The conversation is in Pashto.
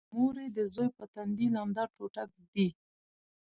مور یې د زوی په تندي لمده ټوټه ږدي